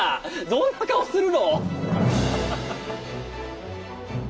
どんな顔するろう。